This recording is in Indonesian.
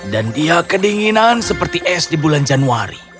dan dia kedinginan seperti es di bulan januari